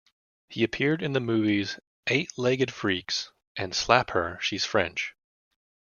He appeared in the movies "Eight Legged Freaks" and "Slap Her... She's French".